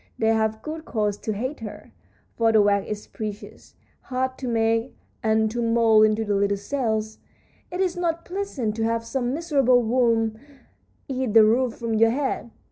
They have good cause to hate her, for the wax is precious, hard to make and to mould into the little cells. It is not pleasant to have some miserable worm eat the roof from your head.